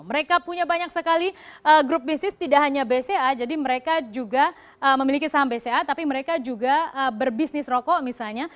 mereka punya banyak sekali grup bisnis tidak hanya bca jadi mereka juga memiliki saham bca tapi mereka juga berbisnis rokok misalnya